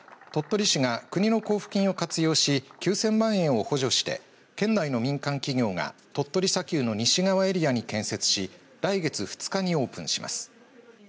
ＳＡＮＤＢＯＸＴＯＴＴＯＲＩと名付けられたこの施設は鳥取市が、国の交付金を活用し９０００万円を補助して県内の民間企業が鳥取砂丘の西側エリアに建設し来月２日にオープンします。